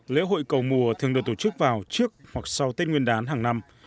lễ hội cầu mùa thường được tổ chức vào trước hoặc sau tết nguyên đán hàng năm